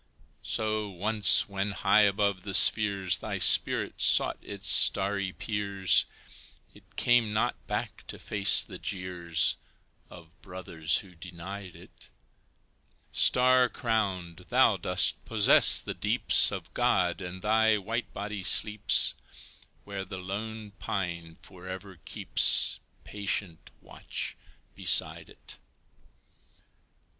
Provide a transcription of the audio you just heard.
So once, when high above the spheres Thy spirit sought its starry peers, It came not back to face the jeers Of brothers who denied it; Star crowned, thou dost possess the deeps Of God, and thy white body sleeps Where the lone pine forever keeps Patient watch beside it.